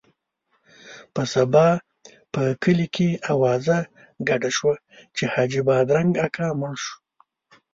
په سبا په کلي کې اوازه ګډه شوه چې حاجي بادرنګ اکا مړ شو.